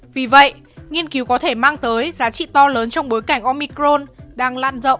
vì vậy nghiên cứu có thể mang tới giá trị to lớn trong bối cảnh omicron